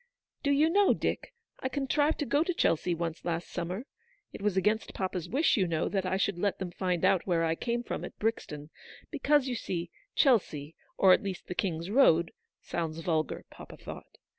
Do you know, Dick, I contrived to go to Chelsea once last summer. It was against papa's wish, you know, that I should let them find out where I came from at Brixton ; because, you see, Chelsea, or at least the King's Road, sounds vulgar, papa thought.